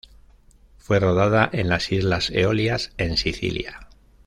Fue rodada en las Islas Eolias en Sicilia.